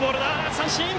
三振！